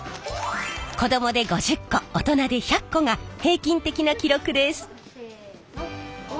子どもで５０個大人で１００個が平均的な記録です。